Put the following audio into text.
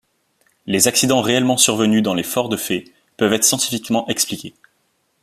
Les accidents réellement survenus dans les forts de fées peuvent être scientifiquement expliqués.